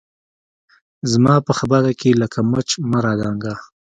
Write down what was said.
زما په خبره کښې لکه مچ مه رادانګه